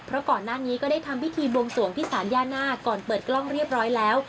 เพราะก่อนหน้านี้ก็ได้ทำพิธีบวงสวงที่สารย่าหน้าก่อนเปิดกล้องเรียบร้อยแล้ว